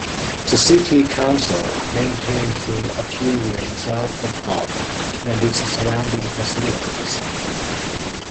The City Council maintains the appearance of the Park, and its surrounding facilities.